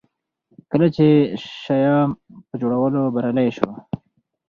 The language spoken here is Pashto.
کله چې شیام په جوړولو بریالی شو.